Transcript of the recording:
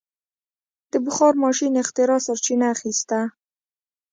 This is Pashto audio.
د بخار ماشین اختراع سرچینه اخیسته.